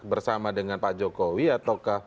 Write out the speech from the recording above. bersama dengan pak jokowi ataukah